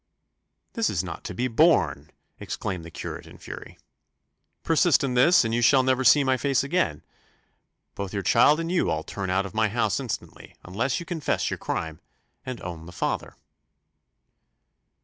"This is not to be borne!" exclaimed the curate in fury. "Persist in this, and you shall never see my face again. Both your child and you I'll turn out of my house instantly, unless you confess your crime, and own the father."